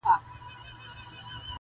ما چي ګولیو ته سینه سپرول-